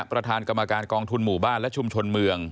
ประธานกรรมการกองทุนหมู่บ้านและชุมชนเมือง